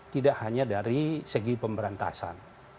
tidak hanya dari segi pemberantasan